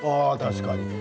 確かに。